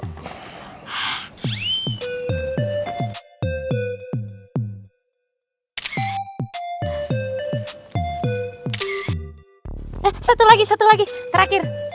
nah satu lagi satu lagi terakhir